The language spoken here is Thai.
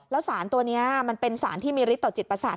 แล้วสารตัวนี้มันเป็นสารที่มีฤทธิต่อจิตประสาท